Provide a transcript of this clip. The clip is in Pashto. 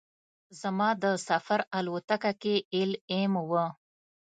زما د سفر الوتکه کې ایل ایم وه.